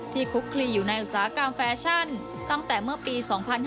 คุกคลีอยู่ในอุตสาหกรรมแฟชั่นตั้งแต่เมื่อปี๒๕๕๙